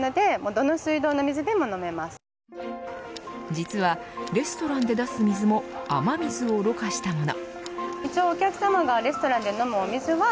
実は、レストランで出す水も雨水をろ過したもの。